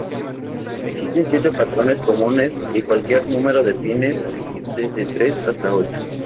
Existen siete patrones comunes y cualquier número de pines desde tres hasta ocho.